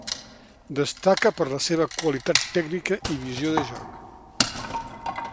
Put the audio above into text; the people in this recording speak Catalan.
Destaca per la seua qualitat tècnica i visió de joc.